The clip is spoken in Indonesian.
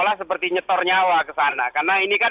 ini seperti itu ini benar